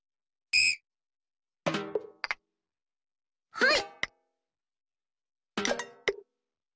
はい。